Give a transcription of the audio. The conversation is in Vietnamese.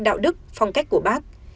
đạo đức phong cách của bác